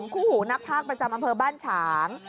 คู่หูนักภาคประจำอำเภอบ้านฉาง